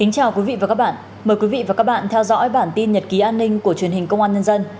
chào mừng quý vị đến với bản tin nhật ký an ninh của truyền hình công an nhân dân